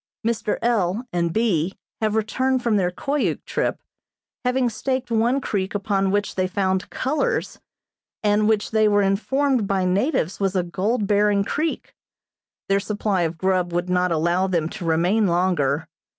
Mr. L. and B. have returned from their Koyuk trip, having staked one creek upon which they found colors, and which they were informed by natives was a gold bearing creek. Their supply of grub would not allow them to remain longer.